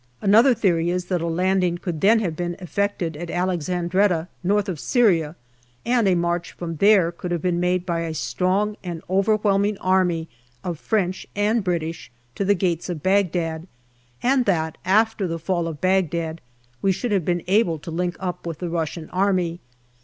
Another theory is that a landing could then have been effected at Alexandretta, north of Syria, and a march from there could have been made by a strong and overwhelming army of French and British to the gates of Bagdad, and that after the fall of Bagdad we should have been able to link up with the Russian Army.